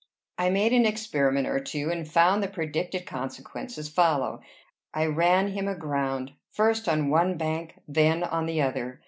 I made an experiment or two, and found the predicted consequences follow: I ran him aground, first on one bank, then on the other.